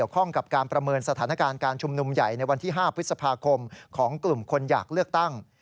วันที่๕พฤษภาคมของกลุ่มคนอยากเลือกตั้ง